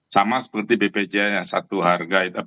sama seperti bpjs yang satu harga satu tarif